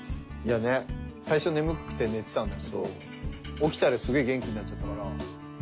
いやね最初眠くて寝てたんだけど起きたらすげえ元気になっちゃったから。